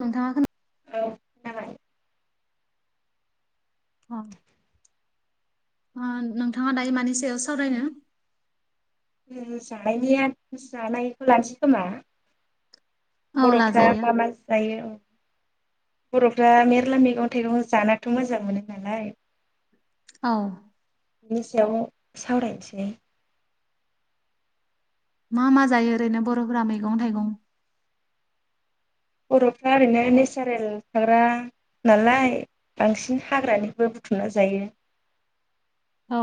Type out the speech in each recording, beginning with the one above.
नोंथांङा खोना औ‌ जाबाय। अ ओ नोंथांङा दायो मानि सायाव सावरायनो? जोंङो जानायनिया जानायखौ लानोसै खोमा? औ बर'फ्रा लाजायो मा मा जायो औ बर'फ्रा मेरला मैगं थाइगं जानाथ' मोजां मोनो नालाय औ बिनि सायाव सावरायनोसै ने मा मा जायो ओरैनो बर'फोरा मैगं थाइगं? बर'फ्रा ओरैनो नेसारेल थाग्रा नालाय बांसिन हाग्रानिफ्राय बुथुमना जायो औ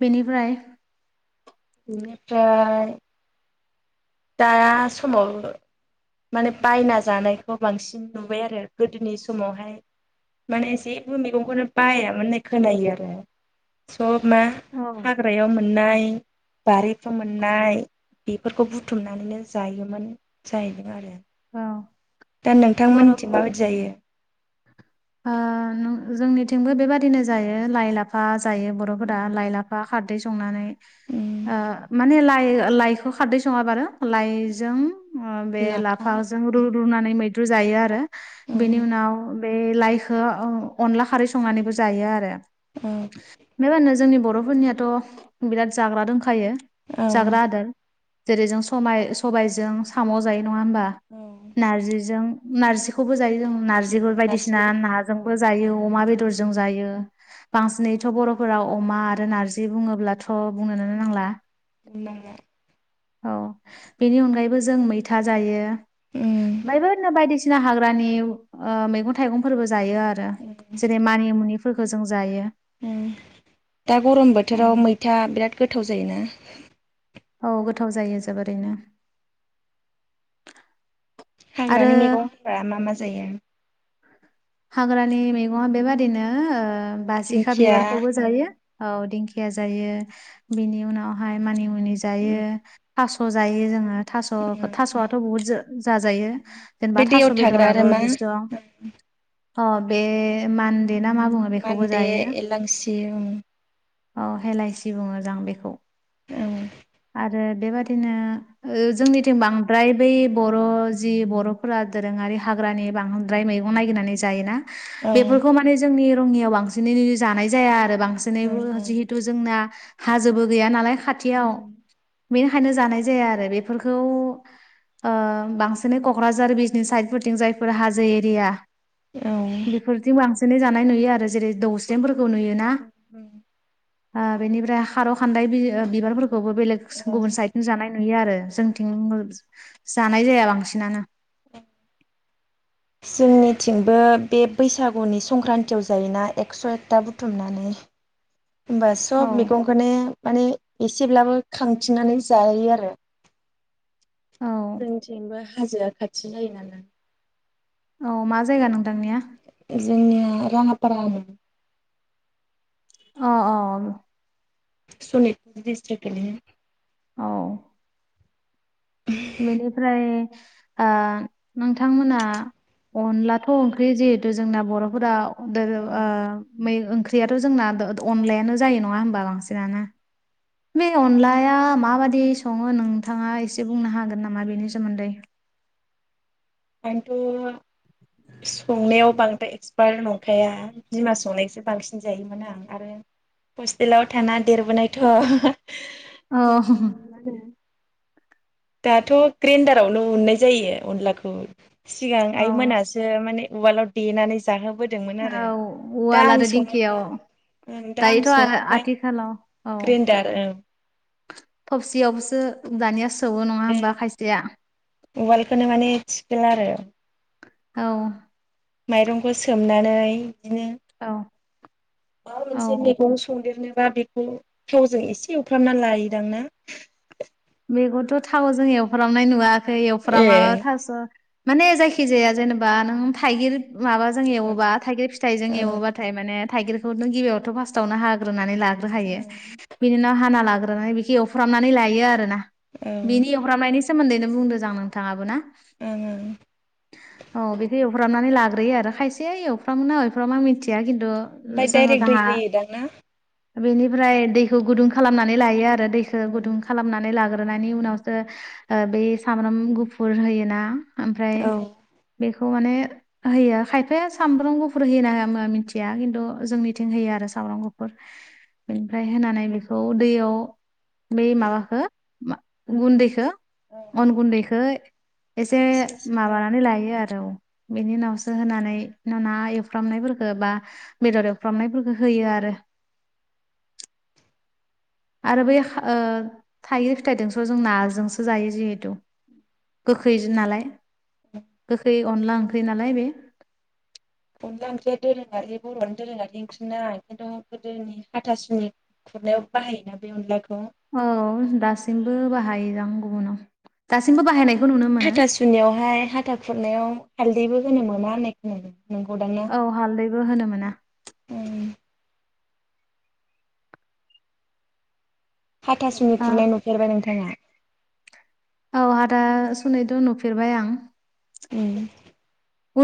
बेनिफ्राय बिनिफ्राय दा समाव माने बायना जानायखौ बांसिन नुबाय आरो गोदोनि समावहाय माने जेबो मैगंखौनो बायामोन होननाय खोनायो आरो सब मा औ ग्रायाव मोननाय बारिफ्राव मोननाय बेफोरखौ बु थुमनानैनो जायोमोन जाहैदों आरो। औ दा बर' ओ नोंथांमोननिथिं माबायदि जायो? ओ नों जोंनिथिंबो बेबादिनो जायो लाइ लाफा जायो बर'फोरा लाइ लाफा खारदै संनानै उम ओ माने लाइ लाइखौ खारदै सङाबा आरो लाइजों बे लाफा लाफाजों रु रुनानै मैद्रु जायो आरो औ बेनि उनाव बे लाइखौ ओ अनला खारै संनानैबो जायो आरो ओम बेयाव होनो जोंनि बर'फोरनियाथ' बिराद जाग्रा दंखायो औ औ जाग्रा आदार जेरै जों सनाय सबायजों साम' जायो नङा होमबा औ नारजिजों नारजिखौबो जायो जों नारजिफोर बायदिसि नारजि नाजोंबो जायो अमा बेदरजों जायो बांसिनैथ' बर'फोराव अमा आरो नारजि बुङोब्लाथ' बुंनो नो नांला बुंनांला औ बेनि अनगायैबो जों मैथा जायो उम बायबानो बायदिसि सिना हाग्रानि ओ मैगं थाइगंफोरबो जायो आरो उम जेरै मानिमुनि फोरखो जों जायो ओम दा गरम बोथोराव मैथा बिराद गोथाव जायोना औ गोथाव जायो जोबोरैनो हाग्रानि आरो मैगंफोरा मा मा जायो? हाग्रानि मैगङा बेबादिनो ओ बासिखा दिंखिया बिबारखौबो उम जायो औ दिंखिया जायो बेनि उनावहाय मानिमुनि जायो उम थास' जायो जोङो थास' उम थास'आथ' बुहुत जाजायो बे जेनेबा थास' दैयाव थाग्रा आरो बेदराबो मा बिसं ओ अ बे मान्दे ना मा बुङो बेखौबो मान्दे जायो एलांसि ओम औ हेलायसि बुङो दां बेखौ आरो बेबादिनो ओ जोंनिथिं बांद्राय बै बर' जि बर'फोरा दोरोङारि हाग्रानि बां द्राय मैगं नागिरनानै जायोना औ ओं बेफोरखौ माने जोंनि रङियाव बांसिनै जानाय जाया आरो बांसिनै ओं जिहेतु जोंना हाजोबो गैया नालाय खाथियाव बेनिखायनो जानाय जाया आरो बेफोरखौ ओ बांसिनै क'क्राझार बिजनि साइदफोरथिं जायफोर हाजो जो एरिया औ बेफोर बांसिनै जानाय नुयो आरो जेरै दौस्रेमफोरखौ नुयोना ओ बेनिफ्राय खारौ खान्दाय बि बिबारफोरखौबो बेलेग औ गुबुन साइडथिं जानाय नुयो आरो जोंथिं जानाय जाया बांसिनानो जोंनिथिंबो बे बैसागुनि संक्रान्तियाव जायोना एकस' एकथा बुथुमनानै होमबा औ सब मैगंखौनो माने एसेब्लाबो खांथिननानै जायो आरो औ जोंथिंबो हाजोआ खाथि जायो नालाय अ मा जायगा नोंतांनिया? जोंनिया राङापारा आरो। अ अ उम। सनितपुर दिस्ट्रिक गोलैयो। औ बिनिफ्राय ओ नोंथांमोना अनलाथ' ओंख्रि जिहेथु जोंना बर'फोराव दोरों ओ ओंख्रियाथ' जोंना अनलायानो जायो नङा हमबा बांसिनानो बे अनलाया माबादि सङो नोंथाङा एसे बुंनो हागोन नामा बेनि सोमोन्दै आंथ' संनायाव बांद्राय एक्सपार्ट नंखाया बिमा संनायसो बांसिन जायो माने आं आरो हस्टेलाव थाना देरबोनायथ' औ दाथ' ग्रेडारावनो उननाय जायो अनलाखौ सिगां आइ औ मोनासो माने उवालाव देनानै जाहोबोदोंमोन औ आरो दा उवाल आं आरो दिंखियाव सङामबा ओं दा आं दायोथ' आरो सङोबाय आथिखालाव औ ग्रेन्डार औ थबसियावबोसो दानिया सौवो नङा ए होमबा खायसेया उवालखोनो माने थिखोला आरो। औ माइरंखौ सोमनानै दिनो औ माबा औ मोनसे मैगं संदेरनोबा बेखौ थावजों एसे एवफ्रामना लायोदांना? बेखौथ' थावाव जों एवफ्रामनाय नुवाखै ए एवफ्रामाबा थास' माने जायखिजाया जेनेबा नों थाइगिर माबाजों ओं एवोबा थाइगिर फिथाइजों ओं ओं एवोबाथाय माने थाइगिरखौ नों गिबियावथ' फार्स्टआवनो हाग्रोनानै लाग्रो खायो बिनि नाव हाना लाग्रोनानै बिखो एवफ्रामनानै लायो आरोना ओं बिनि फ्रामनायनि सोमोन्दैनो बुंदों जां नोंथाङाबो ना ओं ओं औ बिदि एव फ्रामनानै लाग्रोयो आरो खायसे एवफ्रामो ना एवफ्रामा मिथिया किन्तु पाय दाइरेक्ट दै होयोदां ना? बेनिफ्राय दैखौ गुदुं खालामनानै लायो आरो दैखौ गुदुं खालामनानै लागो ग्रोनायनि उनावसो ओ बेै सामब्राम गुफुर होयोना ओमफ्राय औ बेखौ माने होयो खायफाया सामब्राम गुफुर होयो ना होआ मा मिथि गैया किन्तु जोंनिथिं होयो आरो सामब्राम गुफुर बेनिफ्राय होनानै बेखौ दैयाव बै माबाखो मा गुन्दैखो अन गुन्दैखो एसे एसे ओं माबानानै लायो आरो औ बेनि उनावसो होनानै ना एवफ्रामनायफोरखो बा बेदर एवफ्रामनायफोरखो होयो आरो। आरो बैख ओ थाइगिर फिथाइदंसो जों नाजोंसो जायो जिहेथु गोखैजो नालाय गोखै अनला ओंख्रि नालाय बे अनला ओंख्रिया दोरोङारि बर'नि दोरोङारि ओंख्रि ना [unintelligible] गोदोनि हाथासुनि खुरनायाव बाहायोना बे अनलाखौ। औ दासिमबो बाहायोदां गुबुनाव दासिमबो बाहायनायखौ नुनो मोनो। जोंनियावहाय हाथा खुरनायाव हाल्दैबो होनो मोना होननाय खोनादों नोंगौ दां ना? औ हालदैबो होनो मोना। उम हाथासुनि खुरनाय नुफेरबाय नोंथाङा? औ हाथासुनिथ' नुफेरबाय आं उम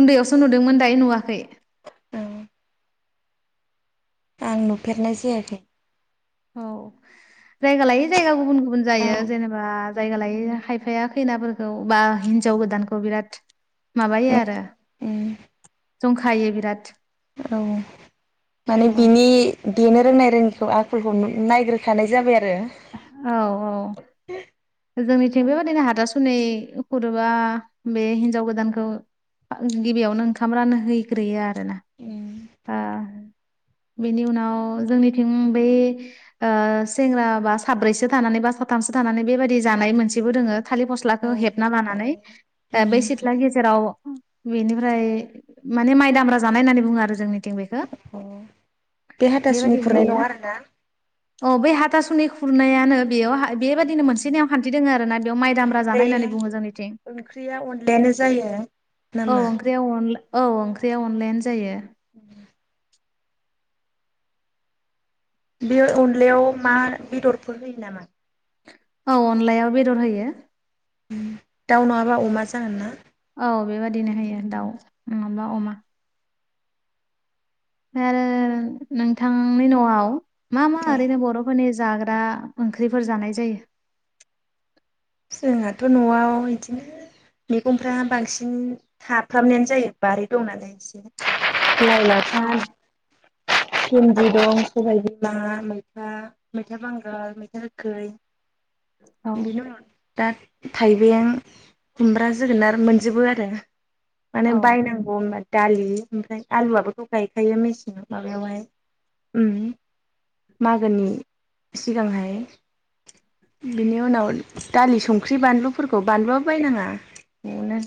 उन्दैयावसो नुदोंमोन दायो नुवाखै। उम आं नुफेरनाय जायाखै। औ जायगा लायै जायगा गुबुन गुबुन जायो उम जेनेबा जायगा लायै खायफाया खैनाबो औ बा हिनजाव गोदानखौ बिराद माबायो आरो जंखायो बिराद। औ माने औ बिनि देनो रोंनाय रोङिखौ आखलखौ नु नायग्रोखानाय जाबाय आरो औ औ जोंनिथिं बेबादिनो हाथासुनै हुदोबा बे हिनजाव गोदानखौ गिबियावनो ओंखाम रानो हैग्रोयो आरोना उम बा बेनि उनाव जोंनिथिं बै ओ सेंग्रा बा साब्रैसो थानानै बा साथामसो थानानै बेबादि जानाय मोनसेबो दोङो थालिर औ फस्लाखौ हेबना लानानै ओ बै सिथ्ला गेजेराव बेनिफ्राय माने माइ दाम्रा जानाय होननानै बुङो आरो जोंनिथिं बेखो। बे हाथासुनि बेबायदि खुरनाय नङा हयो। आरोना अ बै हाथासुनि खुरनायानो बेयाव बेबाददिनो मोनसे नेम खान्थि दङ आरो ना बेयाव माइ दामब्रा जानाय ओमफ्रायो होननानै बुङो जोंनिथिं। ओंख्रिया अनलायानो जायो। औ नामा ओंख्रिया अनला औ ओंख्रिया अनलायानो जायो। ओं बे अनलायाव मा बेदरफोर होयो नामा? औ अनलायाव बेदर होयो। उम दाउ नङाबा अमा जागोन ना। औ बेबदिनो होयो दाउ नङाबा अमा फ्राय आरो नोंथांनि नआव मा मा औ ओरैनो बरफोरनि जाग्रा ओंख्रिफोर जानाय जायो। जोंहाथ नआव इदिनो मैगंफ्रा बांसिन थाफ्रामनायानो जायो बारि दंनालाय एसे। लाय औ लाफा फिन्दि दं सबायाइ बिमा मैथा मैथा बांगाल मैथा गोखै औ बिनो उनाव दा थाइबें खुमब्रा जोगोनार मोनजोबो आरो माने औ बायनांगौ होनबा दालि ओमफ्राय आलुआबोथ गायखायो मेसें माबायावहाय उम मागोनि सिगांहाय बिनि उनाव दालि संख्रि बानलुफोरखौ बानलुआबो बायनाङा नआवनो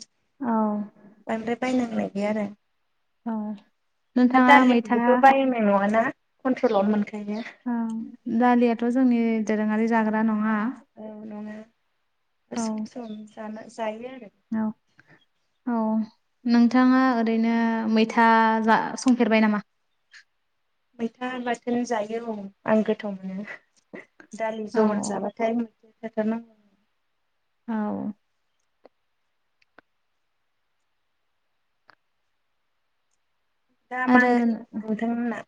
बांद्राय बायनांनाय गैया आरो ओं नोंथाङा मै बेबोथ बायनाय नङाना कन्ट्रलावनो मोनखायो। ओं दालियाथ जोंनि दोरोङारि जाग्रा नङा। ओं नङा औ सम सम जाना जायो आरो औ औ नोंथाङा ओरैनो मैथा जा संफेरबाय नामा? मैथा बाथोन जायो औ आं गोथाव मोनो दालि औ जहल जाबा थाय [inaudible] औ दा मा आरो ओंख्रि नोंथांमोनना?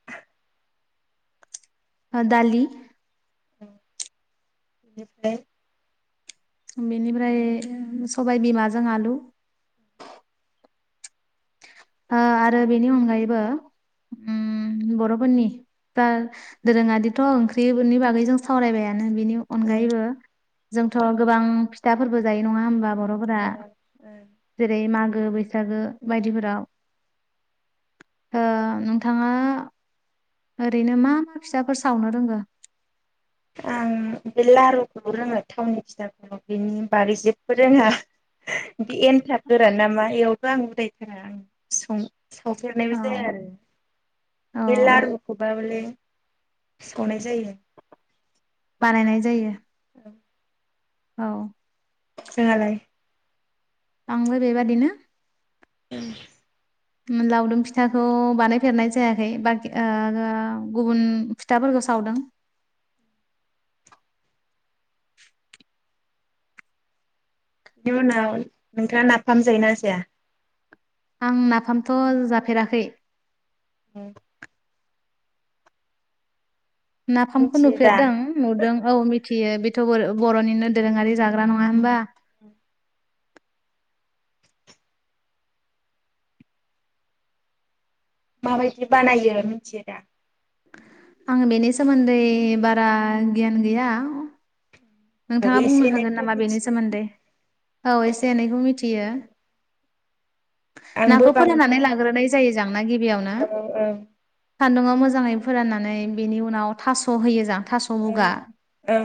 ओ दालि ओ बेनिफ्राय बेनिफ्राय सबाय बिमाजों आलु। ओ आरो बेनि अनगायैबो उम बर'फोरनि दा दोरोङारिथ ओंख्रिनि बागै जों सावरायबायानो बिनि औ अनगायैबो जोंथ गोबां फिथाफोरबो जायो नङा होमबा बर' फोरा आं जेरै मागो बैसागो बायदिफोराव। ओ नोंथाङा ओरैनो मा मा फिसाफोर सावनो रोंङो? आं बे लारुखौ रोङो थावनि फिथाखौ बिनि बारि जेबबो रोङा बे एन्थाब गोरान नामा एयावथ' आं उदायथारा आं सं औ सौफेरनायबो जाया आरो औ बे लारुखौब बले संनाय जायो। बानायनाय जायो। ओं औ नोंहालाय? आंबो बेबादिनो [inaudible] लावदुम फिथाखौ बानायफेरनाय जायाखै बाखि ओ गुबुन फिथाफोरखौ सावदों। बेनि उनाव नोंथाङा नाफाम जायोना जाया? आं नाफामथ' जाफेराखै। औ नाफामखौ मिथियो दा नुफेरदों नुदों औ मिथियो बेथ' बर' बर'निनो दोरोङारि जा ग्रा नङा होनबा? माबायदि बानायो मिथियो दा? आं बेनि सोमोन्दै बारा गियान गैया। होमबाबो नोंथाङा एसे बुंनो हागोन एनैखौथ' नामा बेनि मिथियो सोमोन्दै? औ एसे एनैखौ मिथियो। आंबो नाखौ फोराननानै बांद्राय लाग्रोनाय जायो जां ना गिबियावनो? औ औ सान्दुंआव मोजाङै फोराननानै बिनि उनाव थास' होयो जां थास' बुगा ओं औ।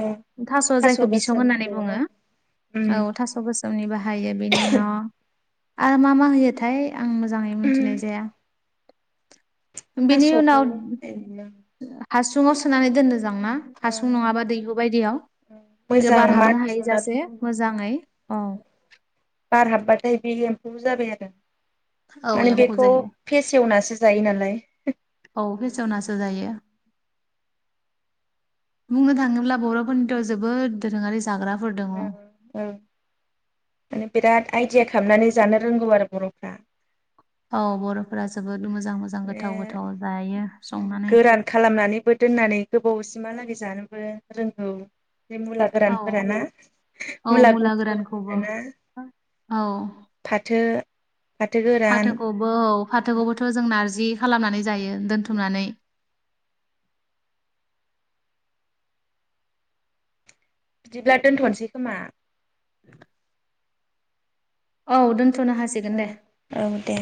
थास' जायखौ बिसं होननानै बुङो उम औ थास ' स' गोसोमनि बाहायो बेनि उनाव आरो मा मा होयोथाय? आं मोजाङै मिथिनाय जाया। बिनि उनाव थास'खौल' होनाय हास हासुङाव सोनानै दोननो जांना हासुं नङाबा दैहु बायदियाव। मोजां बार हाबनो हायै माथुना जासे मोजाङै औ [inaudible] बार हाबबाथाय बे एम्फौ जाबाय आरो औ माने एम्फौ बेखौ जायो फेसेवनासो जायो नालाय। औ फेसेवनासो जायो। बुंनो थाङोब्ला बर'फोरनिथ' जोबोद दोरोङारि जाग्रा ओं औ माने बिराद आइदिया खालामनानै जानो रोंगौ आरो बर'फ्रा। औ बर'फोरा जोबोद मोजां मोजां माने गोथाव गोथाव जायो संनानै। गोरान खालामनानैबो दोननानै गोबावसिमहालागै जानोबो रोंगौ। बे मुला औ गोरानफोर ना औ मुला गोरानखौबो गुनद्रु ना? औ फाथो फाथो गोरान फाथोखौबो औ फाथोखौबोथ' जों नारजि खालामनानै जायो दोनथुमनानै ' बिदिब्ला दोनथ'नोसै खोमा? औ दोनथ'नो हासि ओ औ दे।